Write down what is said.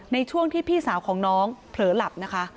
ในช่วงที่พี่สาวของน้องเผลอหลับนะคะ